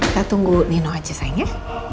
kita tunggu nino aja sayang ya